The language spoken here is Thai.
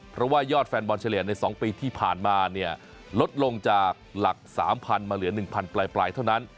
เพราะว่ายอดแฟนบอลเฉลี่ยใน๒ปีที่ผ่านมาเนี่ยลดลงจากหลัก๓๐๐๐มาเหลือ๑๐๐ปลายเท่านั้น